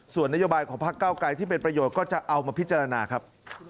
ส่วนนโยบายของพักเก้าไกรที่เป็นประโยชน์ก็จะเอามาพิจารณาครับ